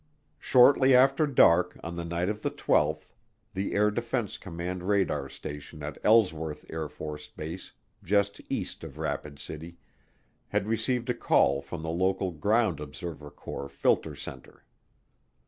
Shortly after dark on the night of the twelfth, the Air Defense Command radar station at Ellsworth AFB, just east of Rapid City, had received a call from the local Ground Observer Corps filter center.